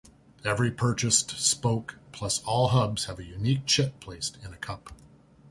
Every purchased spoke, plus all hubs, have a unique chit placed in a cup.